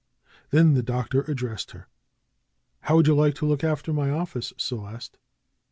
Then the Doctor addressed her: ^^How would you like to look after my office, Celeste?"